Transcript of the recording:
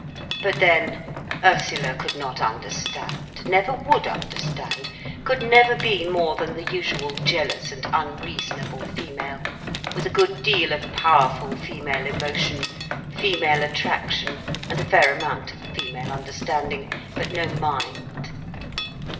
But then, Ursula could not understand, never would understand, could never be more than the usual jealous and unreasonable female, with a good deal of powerful female emotion, female attraction, and a fair amount of female understanding, but no mind.